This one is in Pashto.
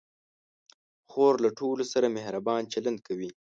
خور له ټولو سره مهربان چلند کوي.